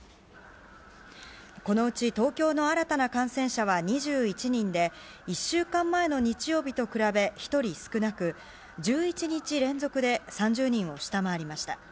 このうち東京の新たな感染者は２１人で１週間前の日曜日と比べ１人少なく１１日連続で３０人を下回りました。